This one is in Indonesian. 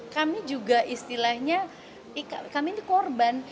kami juga istilahnya kami ini korban